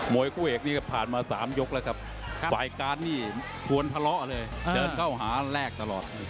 คู่เอกนี้ก็ผ่านมา๓ยกแล้วครับฝ่ายการนี่ควรทะเลาะเลยเดินเข้าหาแรกตลอด